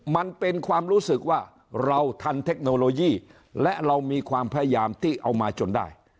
มันเป็นความรู้สึกว่าเราทันเทคโนโลยีและเรามีความพยายามที่เอามาจนได้